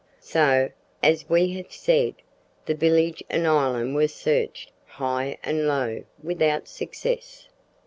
So, as we have said, the village and island were searched high and low without success.